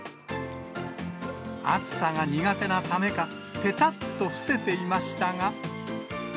暑さが苦手なためか、ぺたっと伏せていましたが。